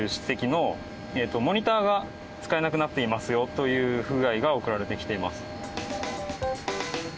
という不具合が送られてきています。